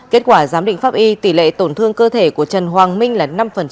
kết quả giám định pháp y tỷ lệ tổn thương cơ thể của trần hoàng minh là năm